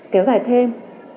kéo dài thêm